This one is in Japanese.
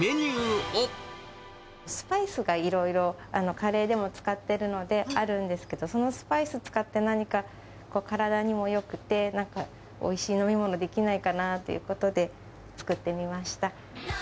スパイスがいろいろカレーでも使っているので、あるんですけど、そのスパイス使って、何か体にもよくって、なんかおいしい飲み物できないかなということで、作ってみました。